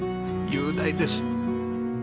雄大です。